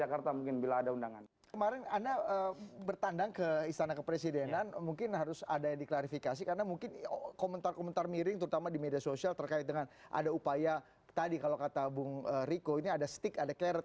karena mungkin komentar komentar miring terutama di media sosial terkait dengan ada upaya tadi kalau kata bung riko ini ada stick ada carrot